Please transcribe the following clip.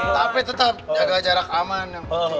tapi tetap jaga jarak aman